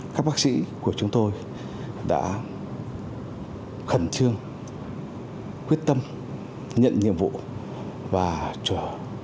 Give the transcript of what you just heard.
các bác sĩ của chúng tôi đã khẩn trương quyết tâm nhận nhiệm vụ và trở